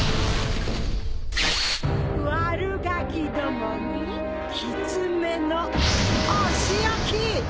悪ガキどもにきつめのお仕置き！